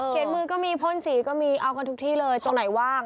มือก็มีพ่นสีก็มีเอากันทุกที่เลยตรงไหนว่าง